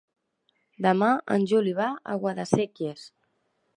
Demà en Juli va a Guadasséquies.